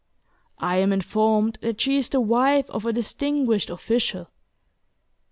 I am informed that she is the wife of a distinguished official.